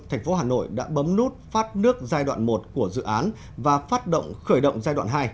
thành phố hà nội đã bấm nút phát nước giai đoạn một của dự án và phát động khởi động giai đoạn hai